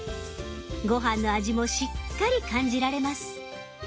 ご飯の味もしっかり感じられます。